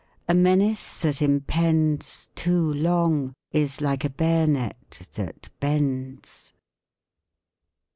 A menace that impends. Too long, is like a bayonet that bends.